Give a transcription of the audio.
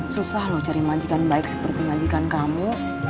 susah loh cari majikan baik seperti majikan kamu